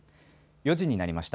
４時になりました。